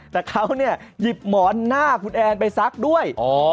แต่เขาเนี่ยหยิบหมอนหน้าคุณแอนไปซักด้วย